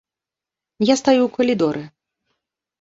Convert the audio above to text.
Я стаю ў калідоры.